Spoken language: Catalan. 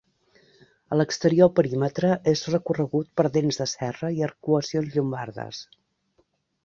A l'exterior el perímetre és recorregut per dents de serra i arcuacions llombardes.